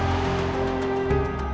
aku gak capek